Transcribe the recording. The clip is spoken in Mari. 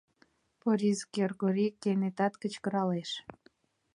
Порис Кргори кенета кычкыралеш: